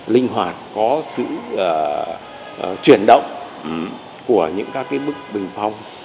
linh hoạt có sự chuyển động của những các cái bức bình phong